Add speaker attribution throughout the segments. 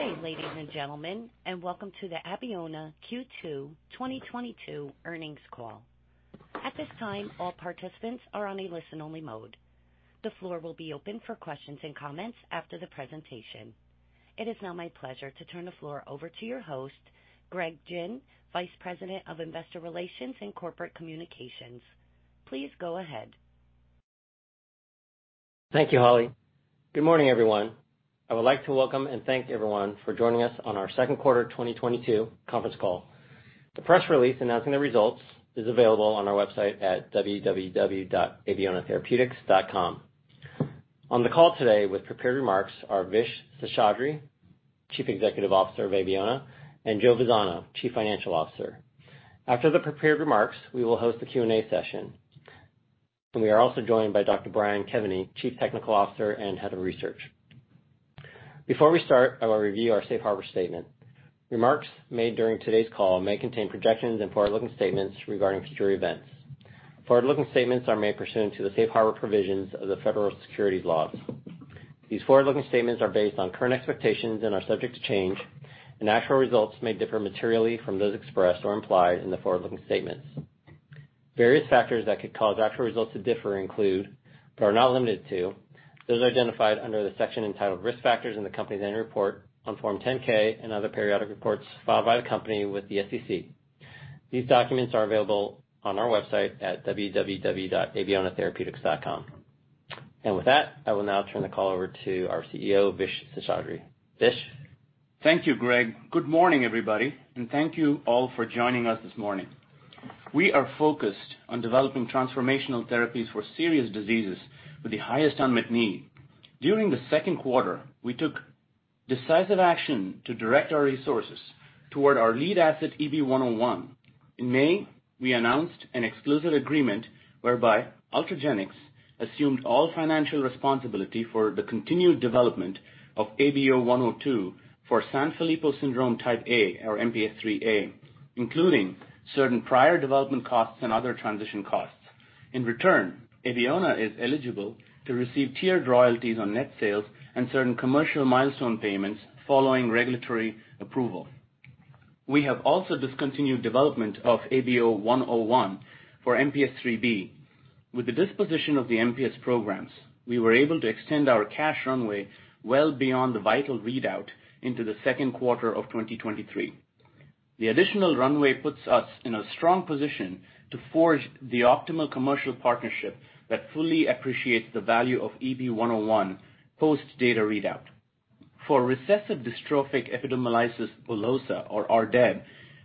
Speaker 1: Good day, ladies and gentlemen, and welcome to the Abeona Q2 2022 earnings call. At this time, all participants are on a Listen-Only Mode. The floor will be open for questions and comments after the presentation. It is now my pleasure to turn the floor over to your host, Greg Gin, Vice President of Investor Relations and Corporate Communications. Please go ahead.
Speaker 2: Thank you, Holly. Good morning, everyone. I would like to welcome and thank everyone for joining us on our second 1/4 2022 conference call. The press release announcing the results is available on our website at www.abeonatherapeutics.com. On the call today with prepared remarks are Vishwas Seshadri, Chief Executive Officer of Abeona, and Joseph Vazzana, Chief Financial Officer. After the prepared remarks, we will host a Q&A session. We are also joined by Dr. Brian Kevany, Chief Technical Officer and Head of Research. Before we start, I will review our safe harbor statement. Remarks made during today's call may contain projections and forward-looking statements regarding future events. Forward-looking statements are made pursuant to the safe harbor provisions of the federal securities laws. These forward-looking statements are based on current expectations and are subject to change, and actual results may differ materially from those expressed or implied in the forward-looking statements. Various factors that could cause actual results to differ include, but are not limited to, those identified under the section entitled Risk Factors in the company's annual report on Form 10-K and other periodic reports filed by the company with the SEC. These documents are available on our website at www.abeonatherapeutics.com. With that, I will now turn the call over to our CEO, Vishwas Seshadri. Vishwas?
Speaker 3: Thank you, Greg. Good morning, everybody, and thank you all for joining us this morning. We are focused on developing transformational therapies for serious diseases with the highest unmet need. During the second 1/4, we took decisive action to direct our resources toward our lead asset, EB-101. In May, we announced an exclusive agreement whereby Ultragenyx assumed all financial responsibility for the continued development of ABO-102 for Sanfilippo syndrome type A or MPS IIIA, including certain prior development costs and other transition costs. In return, Abeona is eligible to receive tiered royalties on net sales and certain commercial milestone payments following regulatory approval. We have also discontinued development of ABO-101 for MPS IIIB. With the disposition of the MPS programs, we were able to extend our cash runway well beyond the VIITAL readout into the second 1/4 of 2023. The additional runway puts us in a strong position to forge the optimal commercial partnership that fully appreciates the value of EB-101 Post-Data readout. For recessive dystrophic epidermolysis bullosa or RDEB,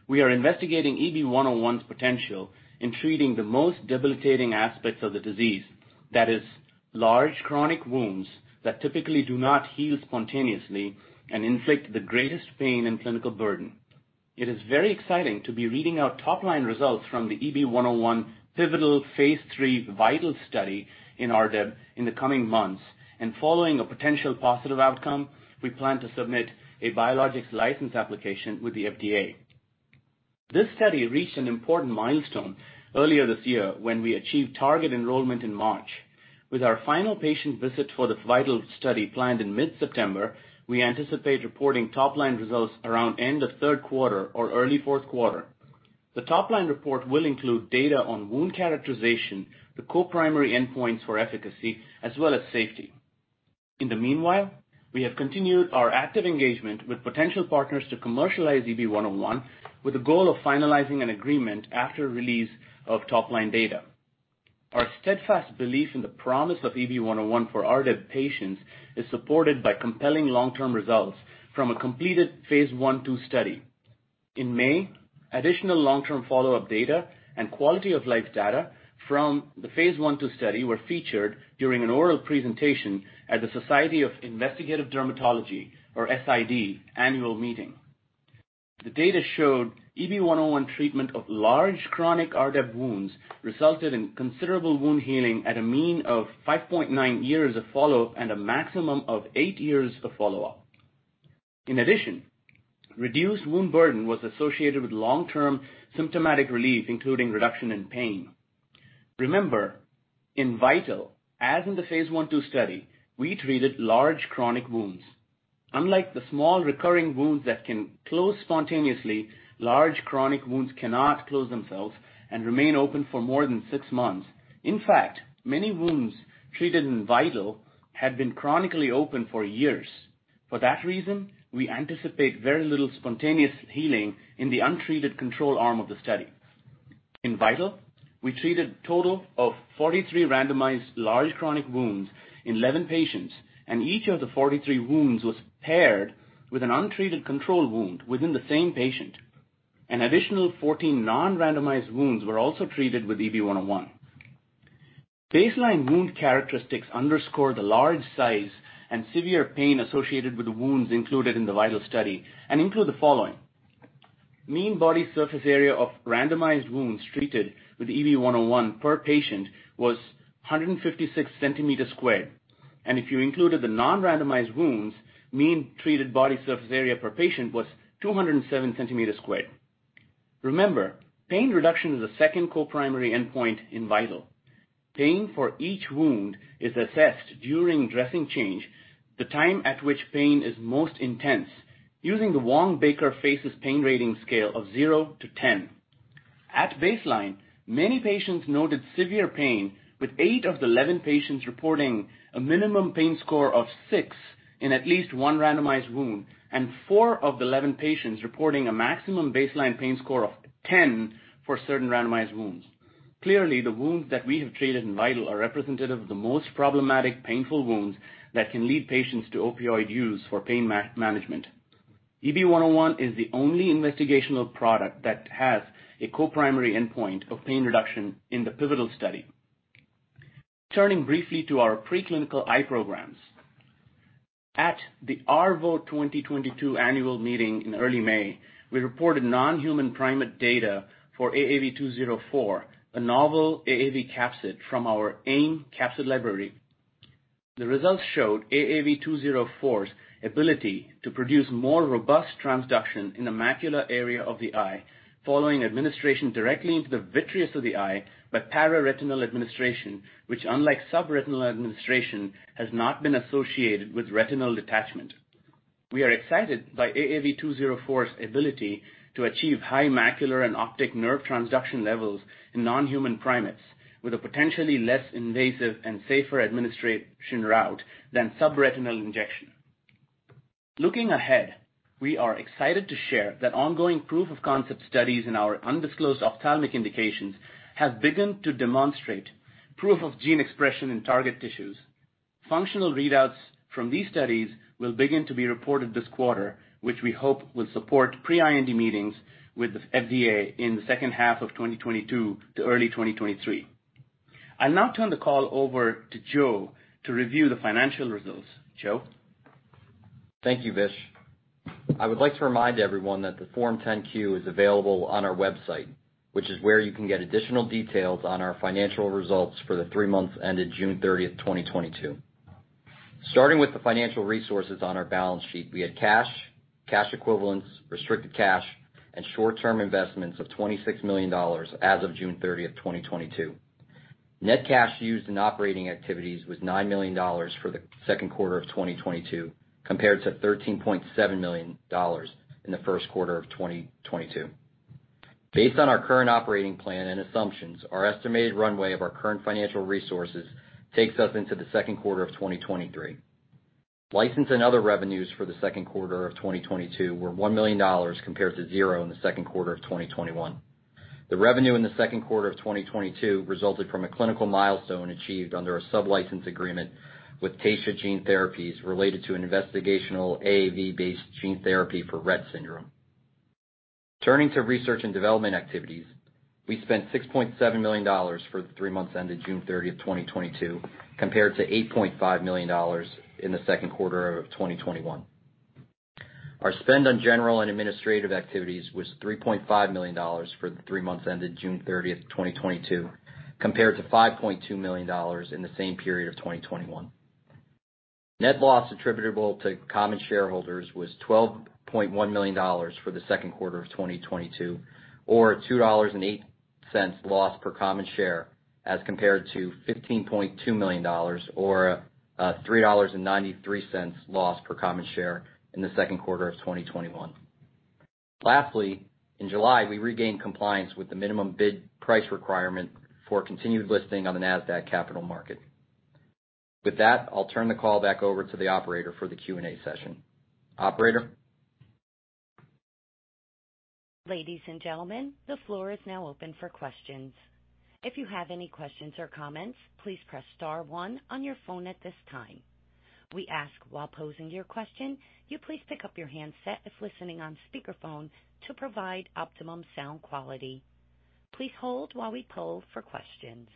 Speaker 3: we are investigating EB-101's potential in treating the most debilitating aspects of the disease. That is, large chronic wounds that typically do not heal spontaneously and inflict the greatest pain and clinical burden. It is very exciting to be reading out Top-Line results from the EB-101 pivotal phase 3 VIITAL study in RDEB in the coming months. Following a potential positive outcome, we plan to submit a biologics license application with the FDA. This study reached an important milestone earlier this year when we achieved target enrollment in March. With our final patient visit for the VIITAL study planned in Mid-September, we anticipate reporting Top-Line results around end of third 1/4 or early fourth 1/4. The Top-Line report will include data on wound characterization, the Co-Primary endpoints for efficacy, as well as safety. In the meanwhile, we have continued our active engagement with potential partners to commercialize EB-101 with the goal of finalizing an agreement after release of Top-Line data. Our steadfast belief in the promise of EB-101 for RDEB patients is supported by compelling Long-Term results from a completed phase 1/2 study. In May, additional Long-Term Follow-Up data and quality of life data from the phase 1/2 study were featured during an oral presentation at the Society for Investigative Dermatology or SID annual meeting. The data showed EB-101 treatment of large chronic RDEB wounds resulted in considerable wound healing at a mean of 5.9 years of follow and a maximum of 8 years of Follow-Up. In addition, reduced wound burden was associated with Long-Term symptomatic relief, including reduction in pain. Remember, in VIITAL, as in the phase 1/2 study, we treated large chronic wounds. Unlike the small recurring wounds that can close spontaneously, large chronic wounds cannot close themselves and remain open for more than 6 months. In fact, many wounds treated in VIITAL had been chronically open for years. For that reason, we anticipate very little spontaneous healing in the untreated control arm of the study. In VIITAL, we treated total of 43 randomized large chronic wounds in 11 patients, and each of the 43 wounds was paired with an untreated control wound within the same patient. An additional 14 Non-Randomized wounds were also treated with EB-101. Baseline wound characteristics underscore the large size and severe pain associated with the wounds included in the VIITAL study and include the following. Mean body surface area of randomized wounds treated with EB-101 per patient was 156 square centimeters. If you included the Non-Randomized wounds, mean treated body surface area per patient was 207 square centimeters. Remember, pain reduction is the second Co-Primary endpoint in VIITAL. Pain for each wound is assessed during dressing change, the time at which pain is most intense using the Wong-Baker FACES Pain Rating Scale of 0 to 10. At baseline, many patients noted severe pain with 8 of the 11 patients reporting a minimum pain score of 6 in at least one randomized wound and 4 of the 11 patients reporting a maximum baseline pain score of 10 for certain randomized wounds. Clearly, the wounds that we have treated in VIITAL are representative of the most problematic painful wounds that can lead patients to opioid use for pain management. EB-101 is the only investigational product that has a Co-Primary endpoint of pain reduction in the pivotal study. Turning briefly to our preclinical eye programs. At the ARVO 2022 annual meeting in early May, we reported nonhuman primate data for AAV204, a novel AAV capsid from our AIM Capsid library. The results showed AAV204's ability to produce more robust transduction in the macular area of the eye following administration directly into the vitreous of the eye by Para-Retinal administration, which unlike subretinal administration, has not been associated with retinal detachment. We are excited by AAV204's ability to achieve high macular and optic nerve transduction levels in nonhuman primates with a potentially less invasive and safer administration route than subretinal injection. Looking ahead, we are excited to share that ongoing Proof-Of-Concept studies in our undisclosed ophthalmic indications have begun to demonstrate proof of gene expression in target tissues. Functional readouts from these studies will begin to be reported this 1/4, which we hope will support Pre-IND meetings with the FDA in the second 1/2 of 2022 to early 2023. I'll now turn the call over to Joseph to review the financial results. Joseph?
Speaker 4: Thank you, Vishwas. I would like to remind everyone that the Form 10-Q is available on our website, which is where you can get additional details on our financial results for the 3 months ended June 30, 2022. Starting with the financial resources on our balance sheet, we had cash equivalents, restricted cash, and short-term investments of $26 million as of June 30, 2022. Net cash used in operating activities was $9 million for the second 1/4 of 2022, compared to $13.7 million in the first 1/4 of 2022. Based on our current operating plan and assumptions, our estimated runway of our current financial resources takes us into the second 1/4 of 2023. License and other revenues for the second 1/4 of 2022 were $1 million compared to $0 in the second 1/4 of 2021. The revenue in the second 1/4 of 2022 resulted from a clinical milestone achieved under a sublicense agreement with Taysha Gene Therapies related to an investigational AAV-based gene therapy for Rett syndrome. Turning to research and development activities, we spent $6.7 million for the 3 months ended June 30, 2022, compared to $8.5 million in the second 1/4 of 2021. Our spend on general and administrative activities was $3.5 million for the 3 months ended June 30, 2022, compared to $5.2 million in the same period of 2021. Net loss attributable to common shareholders was $12.1 million for the second 1/4 of 2022, or $2.08 loss per common share as compared to $15.2 million or $3.93 loss per common share in the second 1/4 of 2021. Lastly, in July, we regained compliance with the minimum bid price requirement for continued listing on the Nasdaq Capital Market. With that, I'll turn the call back over to the operator for the Q&A session. Operator?
Speaker 1: Ladies and gentlemen, the floor is now open for questions. If you have any questions or comments, please press star one on your phone at this time. We ask, while posing your question, you please pick up your handset if listening on speakerphone to provide optimum sound quality. Please hold while we poll for questions.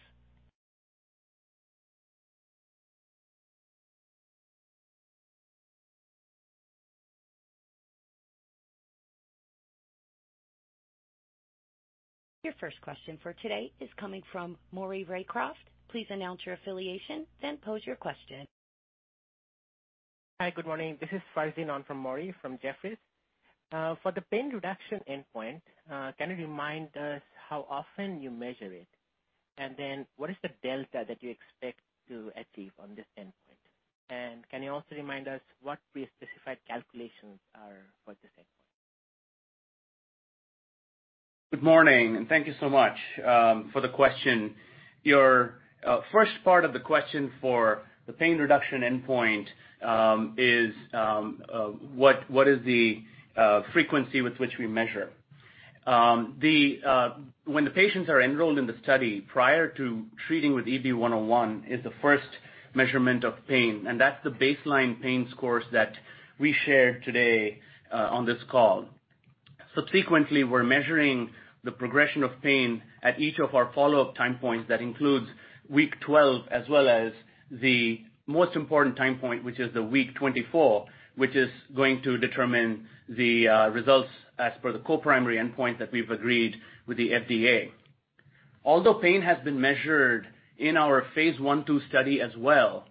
Speaker 1: Your first question for today is coming from Maury Raycroft. Please announce your affiliation, then pose your question.
Speaker 5: Hi, good morning. This is Farzin on for Maury Raycroft from Jefferies. For the pain reduction endpoint, can you remind us how often you measure it? What is the delta that you expect to achieve on this endpoint? Can you also remind us what Pre-Specified calculations are for this endpoint?
Speaker 3: Good morning, and thank you so much for the question. Your first part of the question for the pain reduction endpoint is what is the frequency with which we measure? When the patients are enrolled in the study prior to treating with EB-101 is the first measurement of pain, and that's the baseline pain scores that we shared today on this call. Subsequently, we're measuring the progression of pain at each of our Follow-Up time points. That includes week 12 as well as the most important time point, which is the week 24, which is going to determine the results as per the Co-Primary endpoint that we've agreed with the FDA. Although pain has been measured in our phase 1/2 study as well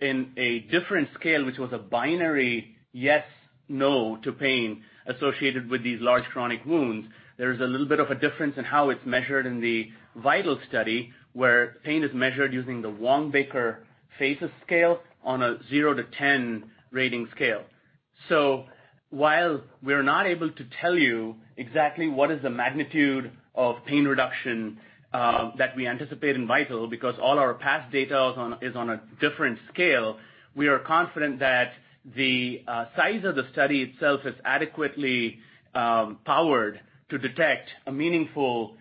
Speaker 3: in a different scale, which was a binary yes/no to pain associated with these large chronic wounds, there is a little bit of a difference in how it's measured in the VIITAL study, where pain is measured using the Wong-Baker FACES scale on a 0-10 rating scale. While we're not able to tell you exactly what is the magnitude of pain reduction that we anticipate in VIITAL, because all our past data is on a different scale, we are confident that the size of the study itself is adequately powered to detect a meaningful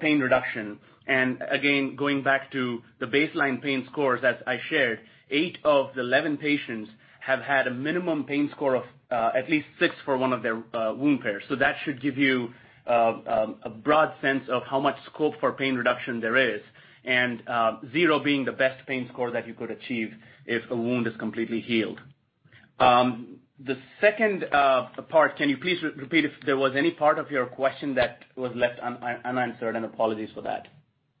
Speaker 3: pain reduction. Again, going back to the baseline pain scores, as I shared, eight of the 11 patients have had a minimum pain score of at least 6 for one of their wound pairs. That should give you a broad sense of how much scope for pain reduction there is, and zero being the best pain score that you could achieve if a wound is completely healed. The second part, can you please repeat if there was any part of your question that was left unanswered? Apologies for that.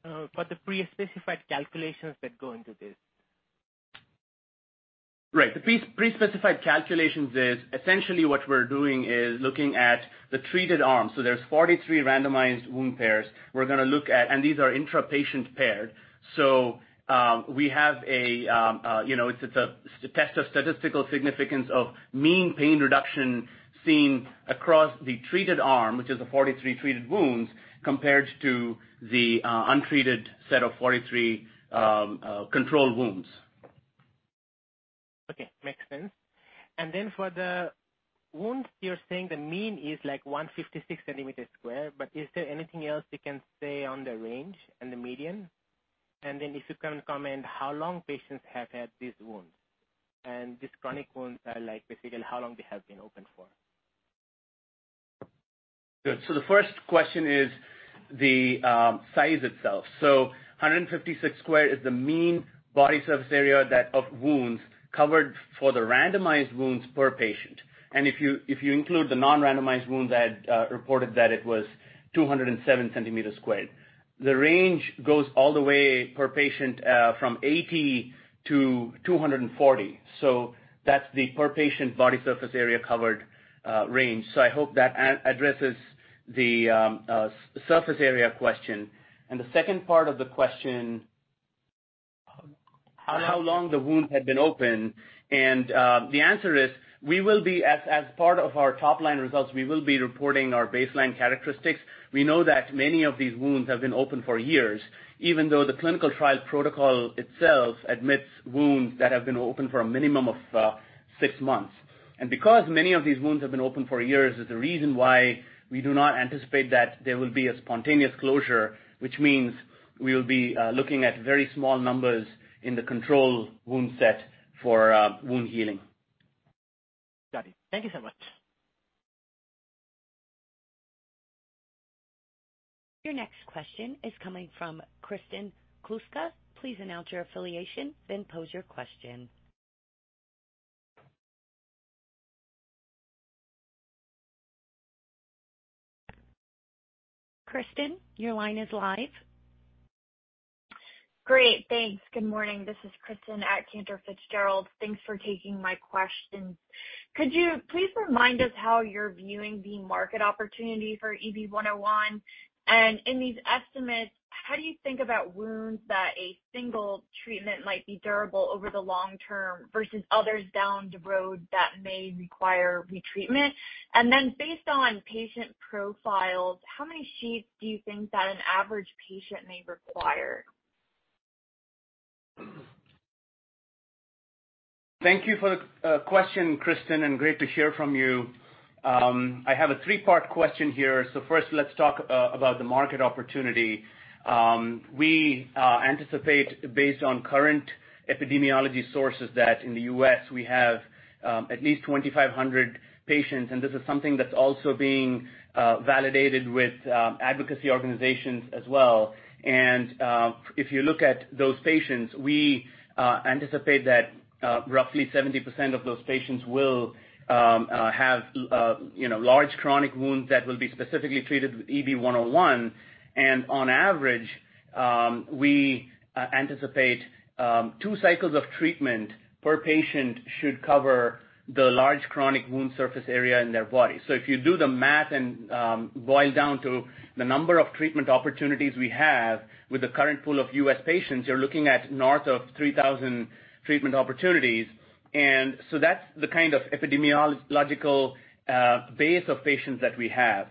Speaker 5: No. The Pre-Specified calculations that go into this.
Speaker 3: Right. The Pre-Specified calculations is essentially what we're doing is looking at the treated arm. There's 43 randomized wound pairs we're gonna look at, and these are Intra-Patient paired. We have a you know, it's a test of statistical significance of mean pain reduction seen across the treated arm, which is the 43 treated wounds, compared to the untreated set of 43 control wounds.
Speaker 5: Okay. Makes sense. For the wounds, you're saying the mean is like 156 square centimeters, but is there anything else you can say on the range and the median? If you can comment how long patients have had these wounds, and these chronic wounds are like, basically how long they have been open for?
Speaker 3: Good. The first question is the size itself. 156 cm² is the mean body surface area of the wounds covered for the randomized wounds per patient. If you include the Non-Randomized wounds that reported that it was 207 cm². The range goes all the way per patient from 80 to 240. That's the per patient body surface area covered range. I hope that addresses the surface area question. The second part of the question.
Speaker 5: How-
Speaker 3: How long the wound had been open. The answer is we will be as part of our top line results, we will be reporting our baseline characteristics. We know that many of these wounds have been open for years, even though the clinical trial protocol itself admits wounds that have been open for a minimum of 6 months. Because many of these wounds have been open for years is the reason why we do not anticipate that there will be a spontaneous closure, which means we will be looking at very small numbers in the control wound set for wound healing.
Speaker 5: Got it. Thank you so much.
Speaker 1: Your next question is coming from Kristen Kluska. Please announce your affiliation, then pose your question. Kristen, your line is live.
Speaker 6: Great. Thanks. Good morning. This is Kristen at Cantor Fitzgerald. Thanks for taking my questions. Could you please remind us how you're viewing the market opportunity for EB101? And in these estimates, how do you think about wounds that a single treatment might be durable over the long term versus others down the road that may require retreatment? And then based on patient profiles, how many sheets do you think that an average patient may require?
Speaker 3: Thank you for the question, Kristen, and great to hear from you. I have a 3-part question here. First let's talk about the market opportunity. We anticipate based on current epidemiology sources that in the US we have at least 2,500 patients, and this is something that's also being validated with advocacy organizations as well. If you look at those patients, we anticipate that roughly 70% of those patients will have you know large chronic wounds that will be specifically treated with EB-101. On average, we anticipate 2 cycles of treatment per patient should cover the large chronic wound surface area in their body. If you do the math and boil down to the number of treatment opportunities we have with the current pool of U.S. patients, you're looking at north of 3,000 treatment opportunities. That's the kind of epidemiological base of patients that we have.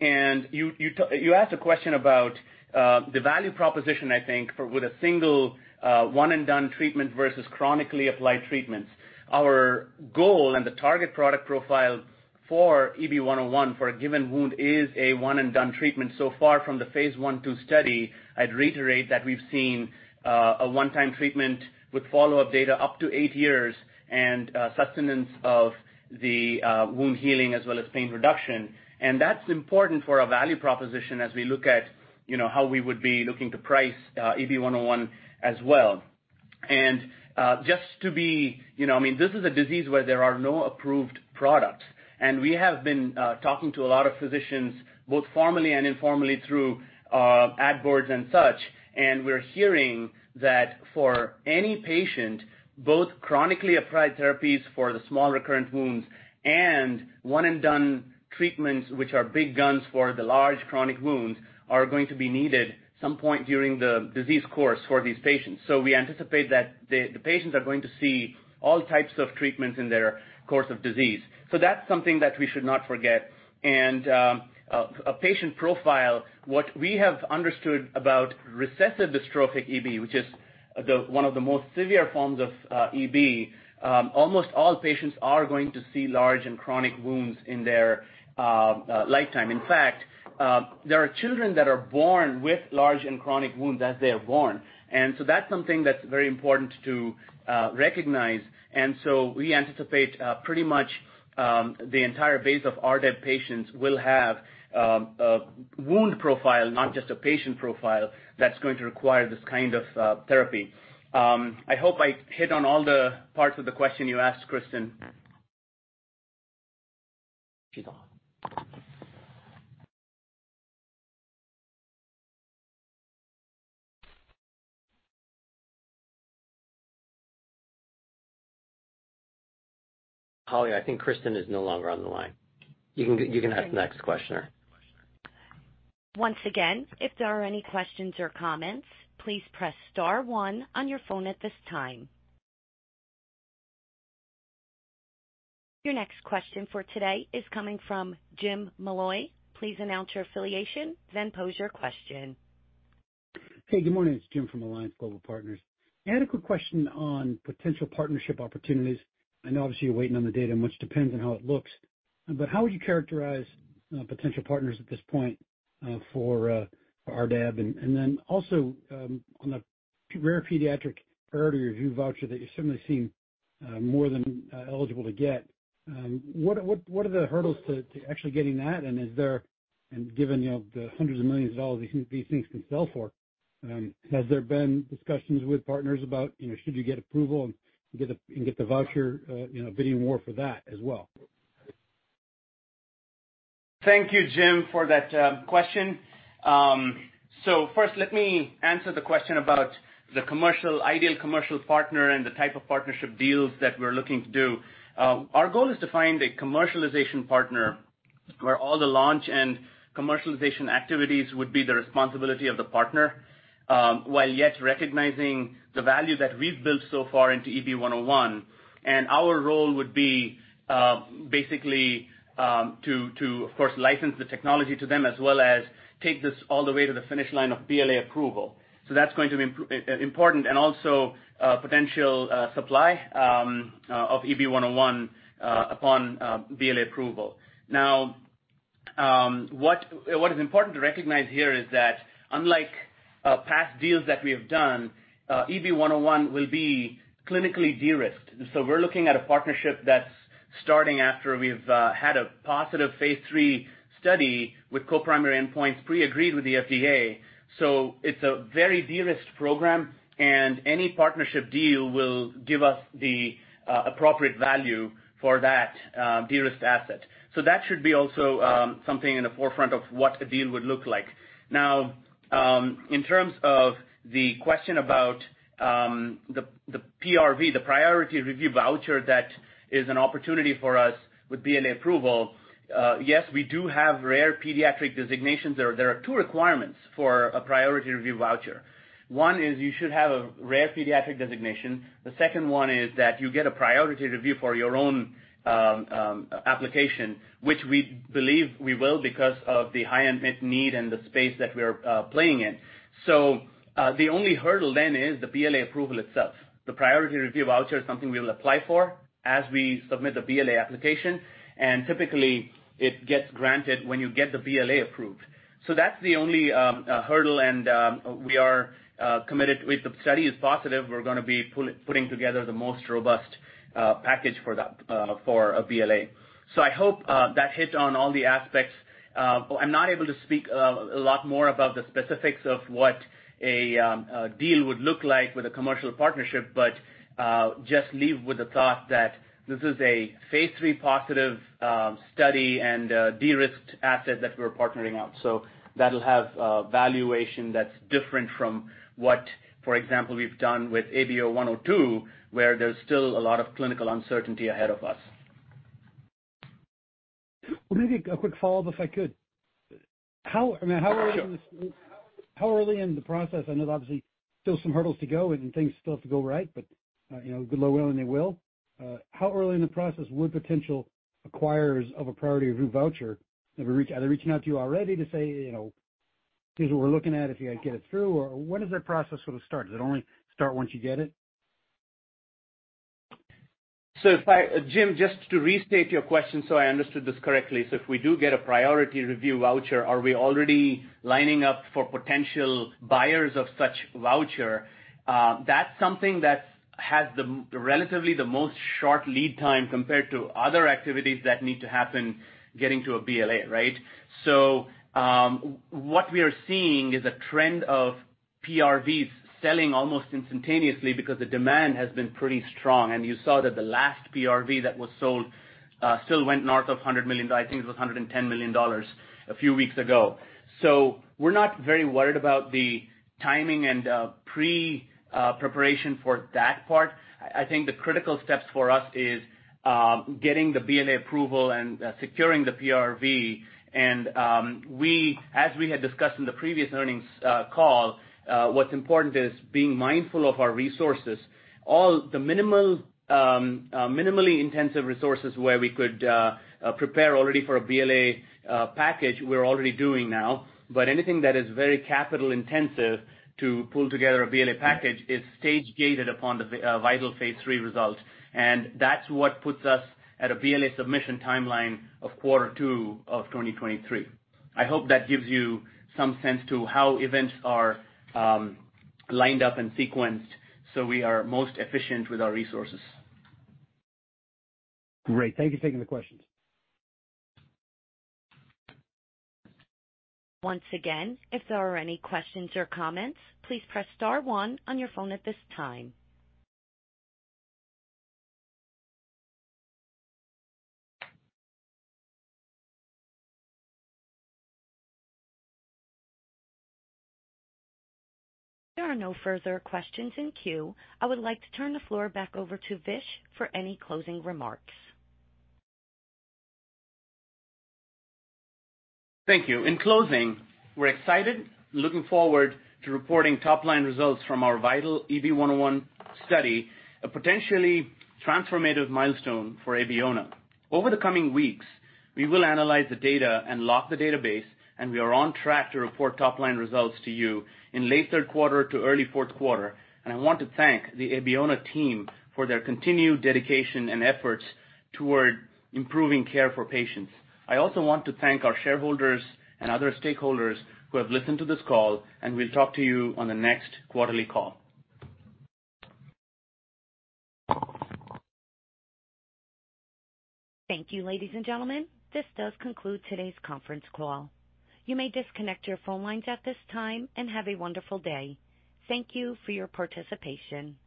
Speaker 3: You asked a question about the value proposition, I think, for with a single one and done treatment versus chronically applied treatments. Our goal and the target product profile for EB-101 for a given wound is a one and done treatment. Far from the phase 1/2 study, I'd reiterate that we've seen a one-time treatment with Follow-Up data up to 8 years and sustenance of the wound healing as well as pain reduction. That's important for our value proposition as we look at, you know, how we would be looking to price EB-101 as well. Just to be, you know, I mean, this is a disease where there are no approved products, and we have been talking to a lot of physicians, both formally and informally, through ad boards and such. We're hearing that for any patient, both chronically applied therapies for the small recurrent wounds and one and done treatments which are big guns for the large chronic wounds, are going to be needed some point during the disease course for these patients. We anticipate that the patients are going to see all types of treatments in their course of disease. That's something that we should not forget. A patient profile. What we have understood about recessive dystrophic EB, which is one of the most severe forms of EB, almost all patients are going to see large and chronic wounds in their lifetime. In fact, there are children that are born with large and chronic wounds as they are born. That's something that's very important to recognize. We anticipate pretty much the entire base of RDEB patients will have a wound profile, not just a patient profile, that's going to require this kind of therapy. I hope I hit on all the parts of the question you asked, Kristen. She's on. Holly, I think Kristen is no longer on the line. You can ask the next questioner.
Speaker 1: Once again, if there are any questions or comments, please press star one on your phone at this time. Your next question for today is coming from Jim Malloy. Please announce your affiliation, then pose your question.
Speaker 7: Hey, good morning. It's Jim from Alliance Global Partners. I had a quick question on potential partnership opportunities. I know obviously you're waiting on the data, much depends on how it looks. How would you characterize potential partners at this point for RDEB? Also on the rare pediatric priority review voucher that you certainly seem more than eligible to get, what are the hurdles to actually getting that? Given you know the hundreds of millions of dollars these things can sell for, has there been discussions with partners about should you get approval and get the voucher you know bidding war for that as well?
Speaker 3: Thank you, Jim, for that question. First let me answer the question about the commercial, ideal commercial partner and the type of partnership deals that we're looking to do. Our goal is to find a commercialization partner where all the launch and commercialization activities would be the responsibility of the partner, while yet recognizing the value that we've built so far into EB-101. Our role would be, basically, to of course, license the technology to them as well as take this all the way to the finish line of BLA approval. That's going to be important and also, potential supply of EB-101 upon BLA approval. Now, what is important to recognize here is that unlike past deals that we have done, EB-101 will be clinically de-risked. We're looking at a partnership that's starting after we've had a positive phase 3 study with Co-Primary endpoints Pre-agreed with the FDA. It's a very de-risked program and any partnership deal will give us the appropriate value for that de-risked asset. That should be also something in the forefront of what a deal would look like. Now, in terms of the question about the PRV, the priority review voucher, that is an opportunity for us with BLA approval, yes, we do have rare pediatric designations. There are 2 requirements for a priority review voucher. One is you should have a rare pediatric designation. The second one is that you get a priority review for your own application, which we believe we will because of the high unmet need and the space that we're playing in. The only hurdle then is the BLA approval itself. The priority review voucher is something we'll apply for as we submit the BLA application, and typically it gets granted when you get the BLA approved. That's the only hurdle and we are committed. If the study is positive, we're gonna be putting together the most robust package for that for a BLA. I hope that hit on all the aspects. I'm not able to speak a lot more about the specifics of what a deal would look like with a commercial partnership, but just leave with the thought that this is a phase 3 positive study and a de-risked asset that we're partnering on. That'll have a valuation that's different from what, for example, we've done with ABO-102, where there's still a lot of clinical uncertainty ahead of us.
Speaker 7: Well, maybe a quick Follow-Up, if I could. How, I mean, how early in this-
Speaker 3: Sure.
Speaker 7: How early in the process, I know there's obviously still some hurdles to go and things still have to go right, but, you know, good, Lord willing they will. How early in the process would potential acquirers of a priority review voucher are they reaching out to you already to say, you know, "Here's what we're looking at, if you guys get it through," or when does that process sort of start? Does it only start once you get it?
Speaker 3: Jim, just to restate your question so I understood this correctly. If we do get a priority review voucher, are we already lining up for potential buyers of such voucher? That's something that has the relatively most short lead time compared to other activities that need to happen getting to a BLA, right? What we are seeing is a trend of PRVs selling almost instantaneously because the demand has been pretty strong. You saw that the last PRV that was sold still went north of $100 million, I think it was $110 million a few weeks ago. We're not very worried about the timing and preparation for that part. I think the critical steps for us is getting the BLA approval and securing the PRV. As we had discussed in the previous earnings call, what's important is being mindful of our resources. All the minimally intensive resources where we could prepare already for a BLA package, we're already doing now. Anything that is very capital intensive to pull together a BLA package is stage-gated upon the VIITAL phase 3 results. That's what puts us at a BLA submission timeline of 1/4 2 of 2023. I hope that gives you some sense to how events are lined up and sequenced, so we are most efficient with our resources.
Speaker 7: Great. Thank you for taking the questions.
Speaker 1: Once again, if there are any questions or comments, please press star one on your phone at this time. There are no further questions in queue. I would like to turn the floor back over to Vishwas for any closing remarks.
Speaker 3: Thank you. In closing, we're excited, looking forward to reporting Top-Line results from our VIITAL EB-101 study, a potentially transformative milestone for Abeona. Over the coming weeks, we will analyze the data and lock the database, and we are on track to report Top-Line results to you in late third 1/4 to early fourth 1/4. I want to thank the Abeona team for their continued dedication and efforts toward improving care for patients. I also want to thank our shareholders and other stakeholders who have listened to this call, and we'll talk to you on the next quarterly call.
Speaker 1: Thank you, ladies and gentlemen. This does conclude today's conference call. You may disconnect your phone lines at this time, and have a wonderful day. Thank you for your participation.